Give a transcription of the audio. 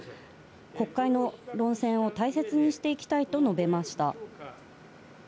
国会の論戦を大切にしていきたいと述べました。